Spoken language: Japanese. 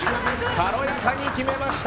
軽やかに決めました！